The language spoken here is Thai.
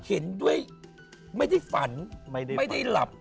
เห็นด้วยไม่ได้ฝันไม่ได้หลับ